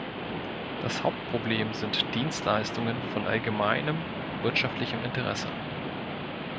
Das Hauptproblem sind Dienstleistungen von allgemeinem wirtschaftlichem Interesse.